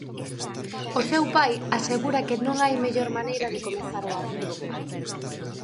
O seu pai asegura que non hai mellor maneira de comezar o ano.